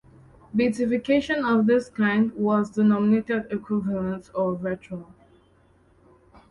Beatification of this kind was denominated "equivalent" or "virtual".